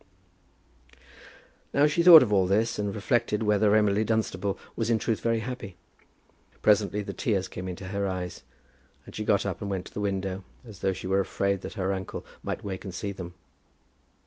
Now she thought of all this, and reflected whether Emily Dunstable was in truth very happy. Presently the tears came into her eyes, and she got up and went to the window, as though she were afraid that her uncle might wake and see them.